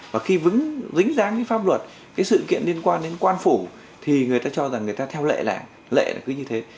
và khi dính dáng với pháp luật sự kiện liên quan đến quan phủ thì người ta cho rằng người ta theo lệ làng lệ là cứ như thế